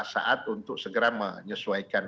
saat untuk segera menyesuaikan